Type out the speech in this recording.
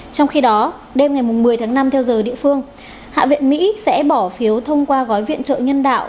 trong khi đó đêm ngày một mươi tháng năm theo giờ địa phương hạ viện mỹ sẽ bỏ phiếu thông qua gói viện trợ nhân đạo